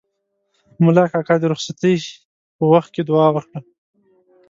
ملا کاکا د رخصتۍ په وخت کې دوعا وکړه.